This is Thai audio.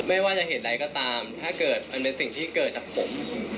ไม่ว่าจะเหตุใดก็ตามถ้าเกิดมันเป็นสิ่งที่เกิดจากผม